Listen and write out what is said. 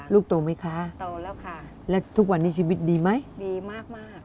ลูกโตไหมคะโตแล้วค่ะแล้วทุกวันนี้ชีวิตดีไหมดีมากมาก